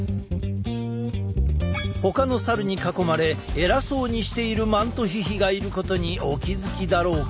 ほかのサルに囲まれ偉そうにしているマントヒヒがいることにお気付きだろうか？